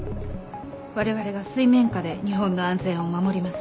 われわれが水面下で日本の安全を守ります。